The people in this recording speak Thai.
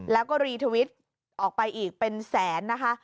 แล้วก็รีทวิตออกไปอีกเป็นแสนนะคะ